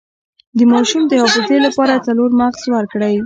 د ماشوم د حافظې لپاره څلور مغز ورکړئ